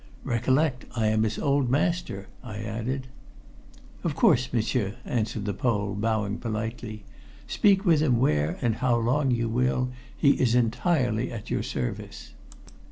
"Recollect, I am his old master, I added." "Of course, m'sieur," answered the Pole, bowing politely. "Speak with him where and how long you will. He is entirely at your service."